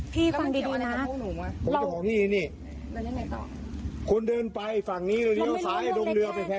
พี่ฟังดีดีนะผมจะบอกพี่นี่คุณเดินไปฝั่งนี้เราเลี้ยวซ้ายลงเรือไปแพร่